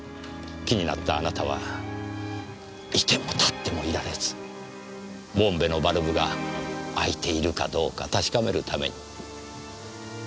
気になったあなたは居ても立ってもいられずボンベのバルブが開いているかどうか確かめるために。